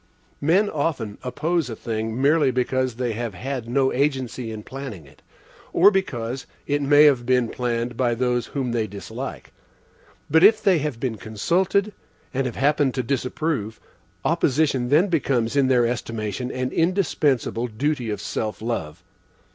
Men often oppose a thing, merely because they have had no agency in planning it, or because it may have been planned by those whom they dislike. But if they have been consulted, and have happened to disapprove, opposition then becomes, in their estimation, an indispensable duty of self love.